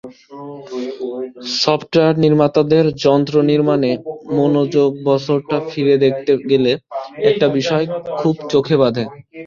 Software নির্মাতাদের যন্ত্র নির্মাণে মনোযোগবছরটা ফিরে দেখতে গেলে একটা বিষয় খুব চোখে বাধে।